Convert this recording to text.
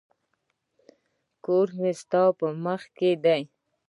کور مي ستا په مخ کي دی.